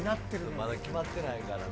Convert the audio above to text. まだ決まってないからな。